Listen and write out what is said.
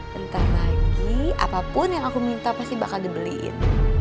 bentar lagi apapun yang aku minta pasti bakal dibeliin